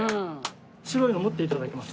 白いの持っていただけます？